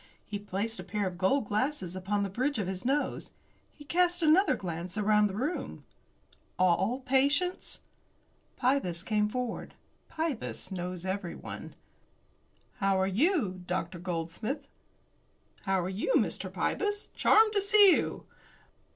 He placed a pair of gold glasses upon the bridge of his nose. He cast another glance around the room. "All patients?" Pybus came forward. Pybus knows everyone. "How are you, Dr. Goldsmith?" "How are you, Mr. Pybus? Charmed to see you."